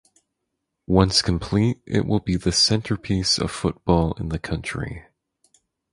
Once complete it will be the centerpiece of football in the country.